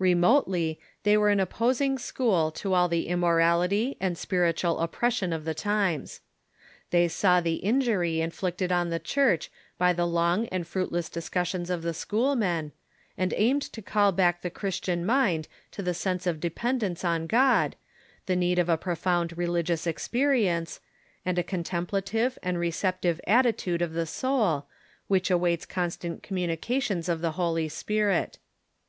Remotely, they were an opposing school " to all the immorality and spiritual oppression of the times. They saw the injury inflicted on the Church by the lono" and fruitless discussions of the schoolmen, and aimed to call back the Christian mind to the sense of dependence on God, the need of a profound religious experience, and a con templative and receptive attitude of the soul, which awaits constant communications of the Holy Spirit.